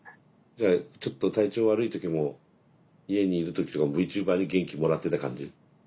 じゃあちょっと体調悪い時も家に居る時とかもＶＴｕｂｅｒに元気もらってた感じ？